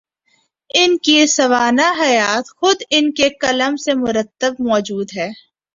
ان کی سوانح حیات، خود ان کے قلم سے مرتب موجود ہے۔